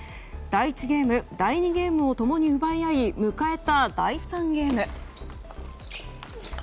第１ゲーム、第２ゲームを共に奪い合い迎えた第３ゲーム。